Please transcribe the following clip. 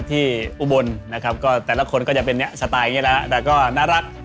อุบลนะครับก็แต่ละคนก็จะเป็นเนี่ยสไตล์อย่างนี้แล้วแต่ก็น่ารัก